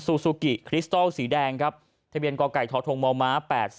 ซูซูกิคริสตอลสีแดงครับทะเบียนก่อก่ายท้อทงมอม้า๘๓๒